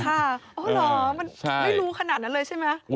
อ๋อเหรอมันไม่รู้ขนาดนั้นเลยใช่ไหม